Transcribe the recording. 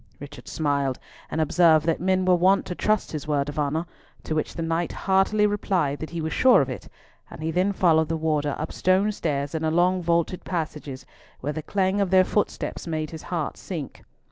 Richard smiled, and observed that men were wont to trust his word of honour, to which the knight heartily replied that he was sure of it, and he then followed the warder up stone stairs and along vaulted passages, where the clang of their footsteps made his heart sink.